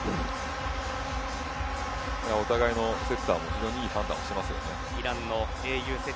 お互いのセッターも非常にいい判断をしましたね。